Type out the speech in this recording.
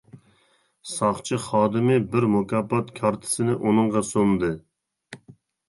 ساقچى خادىمى بىر مۇكاپات كارتىسىنى ئۇنىڭغا سۇندى.